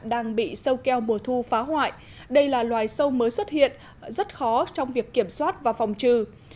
đang bị sâu keo mùa thu phá hoại đây là loài sâu mới xuất hiện rất khó trong việc kiểm soát và phòng trừ